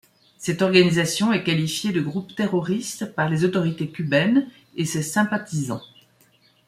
Cette organisation est qualifiée de groupe terroriste par les autorités cubaines et ses sympathisants.